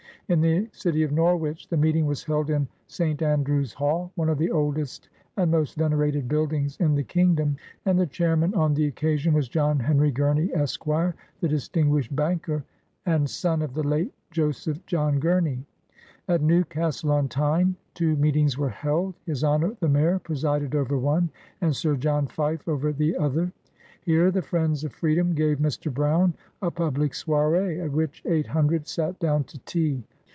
In the city of Norwich, the meeting was held in St. Andrew's Hall, one of the oldest and most venerated buildings in the Kingdom, and the Chairman on the oc casion was John Henry Gurney, Esq., the distinguished 64 BIOGRAPHY OF banker, and son of the late Joseph John Gurney. At Newcastle on Tyne, two meetings were held. His Honor the Mayor presided over one, and Sir John Fife over the other. Here the friends of freedom gave Mr. Brown a public soiree, at which eight hundred sat down to tea.